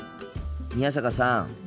宮坂さん。